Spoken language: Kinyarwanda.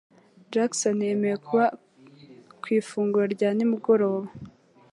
Jackson yemeye kuba ku ifunguro rya nimugoroba.